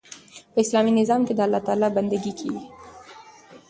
په اسلامي نظام کښي د الله تعالی بندګي کیږي.